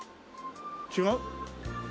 違う？